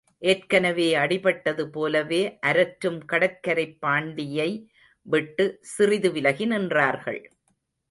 ஏற்கனவே அடிபட்டதுபோலவே அரற்றும் கடற்கரைப் பாண்டியை விட்டு, சிறிது விலகி நின்றார்கள்.